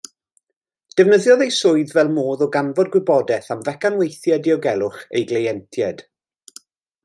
Defnyddiodd ei swydd fel modd o ganfod gwybodaeth am fecanweithiau diogelwch ei gleientiaid.